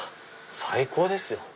最高ですよ。